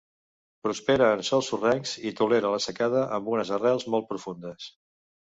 Prospera en sòls sorrencs i tolera la secada amb unes arrels molt profundes.